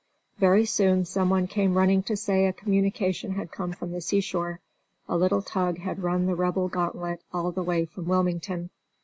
Very soon someone came running to say a communication had come from the seashore; a little tug had run the Rebel gauntlet all the way from Wilmington.